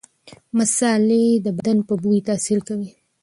مصالحې د بدن په بوی تاثیر کوي.